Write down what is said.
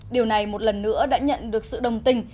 điều này một lần nữa đã nhận được sự đồng tình